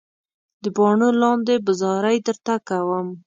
د باڼو لاندې به زارۍ درته کوم.